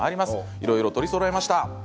いろいろと取りそろえました。